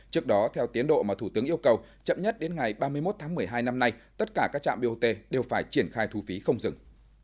trước đó theo tiến độ mà thủ tướng yêu cầu chậm nhất đến ngày ba mươi một tháng một mươi hai năm nay tất cả các trạm bot đều phải triển khai thu phí không dừng